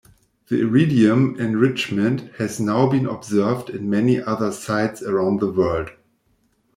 This iridium enrichment has now been observed in many other sites around the world.